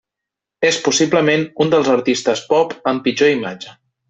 És possiblement un dels artistes pop amb pitjor imatge.